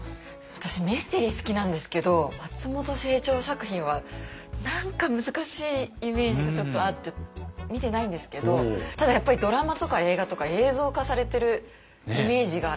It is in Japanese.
私ミステリー好きなんですけど松本清張作品は何か難しいイメージがちょっとあって見てないんですけどただやっぱりドラマとか映画とか映像化されてるイメージがあるので。